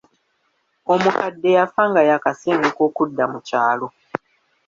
Omukadde yafa nga yaakasenguka okudda mu kyalo.